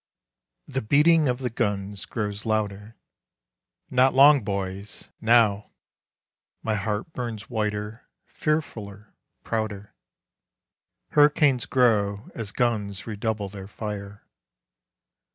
The beating of the guns grows louder. "Not long, boys, now." My heart burns whiter, fearfuller, prouder. Hurricanes grow As guns redouble their fire.